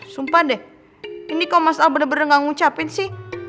sumpah deh ini kalo mas al bener bener gak ngucapin sih